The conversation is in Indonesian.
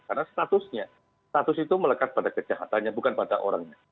karena statusnya status itu melekat pada kejahatannya bukan pada orangnya